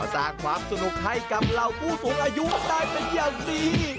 สร้างความสนุกให้กับเหล่าผู้สูงอายุได้เป็นอย่างดี